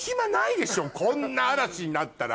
こんな嵐になったら。